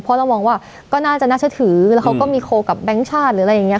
เพราะเรามองว่าก็น่าจะน่าจะถือแล้วเขาก็มีโคลกับแบงค์ชาติหรืออะไรอย่างนี้